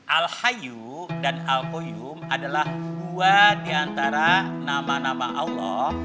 alhayu dan alquyum adalah dua diantara nama nama allah